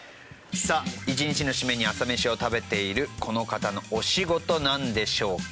さあ一日の締めに朝メシを食べているこの方のお仕事なんでしょうか？